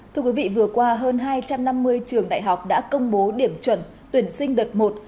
thưa quý vị vừa qua hơn hai trăm năm mươi trường đại học đã công bố điểm chuẩn tuyển sinh đợt một